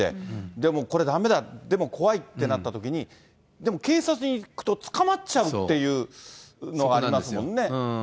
でもこれだめだ、でも怖いってなったときに、でも警察に行くと、捕まっちゃうっていうのはありまそこなんですよね。